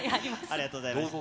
ありがとうございます。